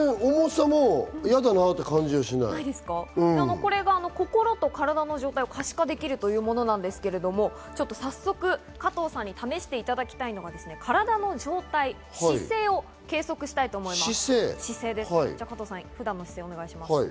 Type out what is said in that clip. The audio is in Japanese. これが心と体の状態を可視化できるというものなんですけど、早速加藤さんに試していただきたいのが体の状態、姿勢を計測したいと思います。